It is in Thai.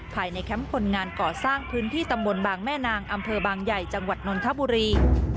แคมป์คนงานก่อสร้างพื้นที่ตำบลบางแม่นางอำเภอบางใหญ่จังหวัดนนทบุรี